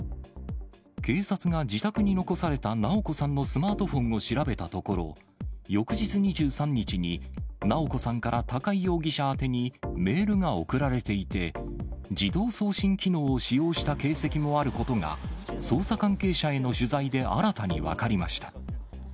警察が自宅に残された直子さんのスマートフォンを調べたところ、翌日２３日に、直子さんから高井容疑者宛てにメールが送られていて、自動送信機能を使用した形跡もあることが、捜査関係者への取材で新たに分かりました。